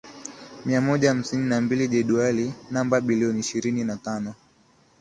mia moja hamsini na mbili Jedwali namba bilioni ishirini na tano